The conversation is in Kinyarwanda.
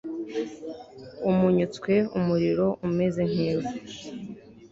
umunyotswe umuriro umeze nk'ivu